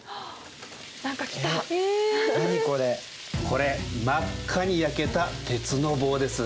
これ真っ赤に焼けた鉄の棒です。